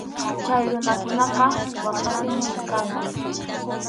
Chay runakunaqa waqatim kanku.